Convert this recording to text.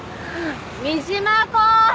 三島公平！